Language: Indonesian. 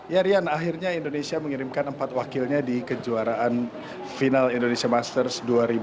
ya rian akhirnya indonesia mengirimkan empat wakilnya di kejuaraan final indonesia masters dua ribu dua puluh